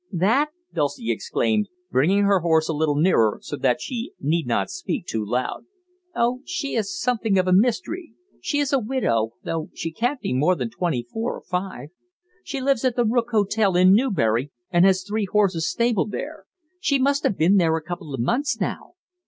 "That?" Dulcie exclaimed, bringing her horse a little nearer, so that she need not speak too loud. "Oh, she is something of a mystery. She is a widow, though she can't be more than twenty four or five. She lives at the Rook Hotel, in Newbury, and has three horses stabled there. She must have been there a couple of months, now.